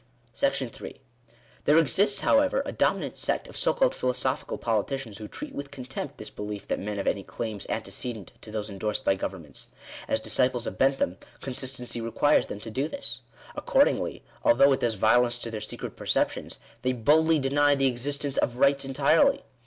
§3. There exists, however, a dominant sect of so called philoso phical politicians who treat with contempt this belief that men have any claims anteqedent to those endorsed by go vernments. As disciples of Bentham, consistency requires them to do this. Accordingly, although it does violence to their secret perceptions, they boldly deny the existence of "rights" entirely.